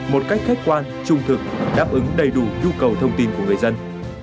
một cách khách quan trung thực đáp ứng đầy đủ nhu cầu thông tin của người dân